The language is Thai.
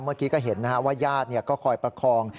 เมื่อกี้ก็เห็นว่าญาติก็คอยประคอง